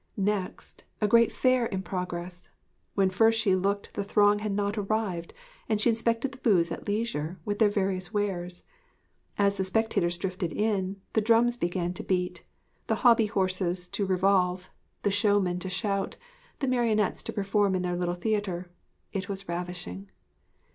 Next, a great Fair in progress. When first she looked the throng had not arrived and she inspected the booths at leisure, with their various wares. As the spectators drifted in, the drums began to beat, the hobby horses to revolve, the showmen to shout, the marionettes to perform in their little theatre. It was ravishing.